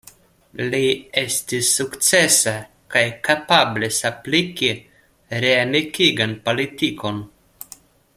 Li estis sukcesa kaj kapablis apliki reamikigan politikon.